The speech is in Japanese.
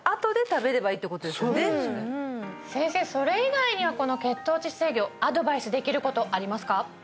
要するに先生それ以外にはこの血糖値制御アドバイスできることありますか？